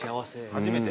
初めて？